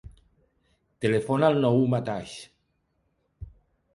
Telefona al Nouh Mataix.